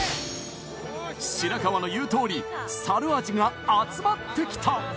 白川の言うとおり猿アジが集まってきた。